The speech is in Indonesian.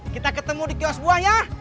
kita ketemu di kios buah ya